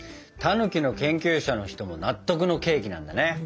たぬきの研究者の人も納得のケーキなんだね！